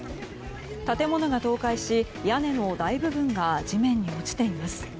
建物が倒壊し、屋根の大部分が地面に落ちています。